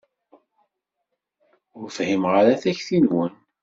Ur fhimeɣ ara takti-nwen.